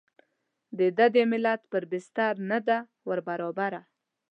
د ده د ملت پر بستر نه ده وربرابره.